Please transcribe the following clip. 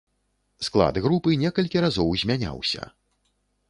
Склад групы некалькі разоў змяняўся.